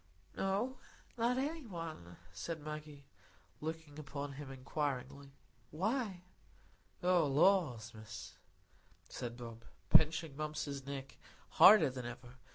"No, not any one," said Maggie, looking up at him inquiringly. "Why?" "Oh, lors, Miss," said Bob, pinching Mumps's neck harder than ever.